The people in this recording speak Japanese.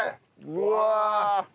うわ！